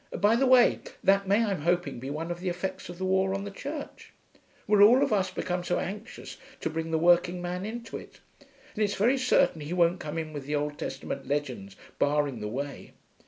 (By the way, that may, I'm hoping, be one of the Effects of the War on the Church. We've all of us become so anxious to bring the working man into it and it's very certain he won't come in with the Old Testament legends barring the way.